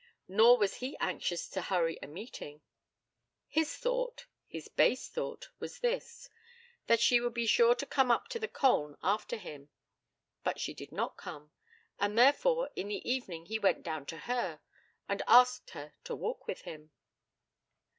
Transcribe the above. Nor was he anxious to hurry a meeting. His thought his base thought was this; that she would be sure to come up to the Colne after him; but she did not come, and therefore in the evening he went down to her, and asked her to walk with him.